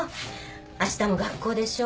あしたも学校でしょう？